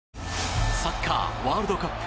サッカーワールドカップ。